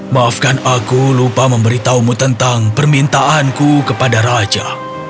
maafkan aku lupa memberitahumu tentang permintaanku kepada raja